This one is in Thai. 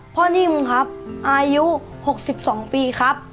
นิ่มครับอายุ๖๒ปีครับ